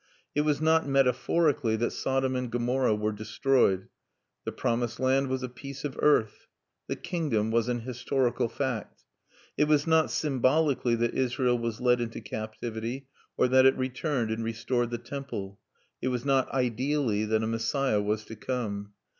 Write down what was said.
It was not metaphorically that Sodom and Gomorrah were destroyed. The promised land was a piece of earth. The kingdom was an historical fact. It was not symbolically that Israel was led into captivity, or that it returned and restored the Temple. It was not ideally that a Messiah was to come.